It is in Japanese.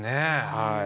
はい。